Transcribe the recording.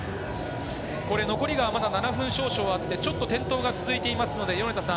残りがまだ７分少々あって、転倒が続いています。